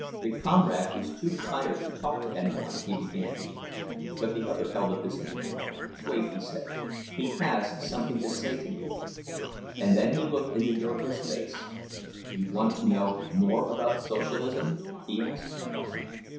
"The comrade is too tired to talk to any one—" he began; but the other held up his hand. "Wait," he said. "He has something to say to me." And then he looked into Jurgis's face. "You want to know more about Socialism?" he asked.